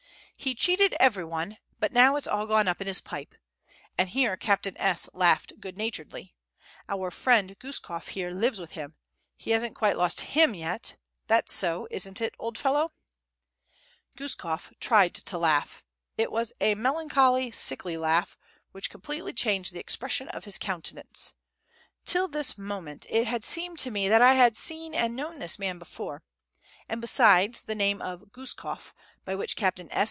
"He cheated every one, but now it's all gone up in his pipe;" and here Captain S. laughed good naturedly. "Our friend Guskof here lives with him. He hasn't quite lost HIM yet: that's so, isn't it, old fellow?" [Footnote: Batenka] he asked, addressing Guskof. Guskof tried to laugh. It was a melancholy, sickly laugh, which completely changed the expression of his countenance. Till this moment it had seemed to me that I had seen and known this man before; and, besides the name Guskof, by which Captain S.